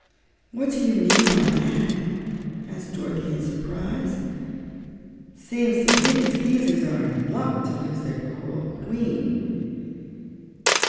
"What do you mean by that?" asked Dorothy in surprise. "Seems to me the Skeezers are in luck to lose their cruel Queen."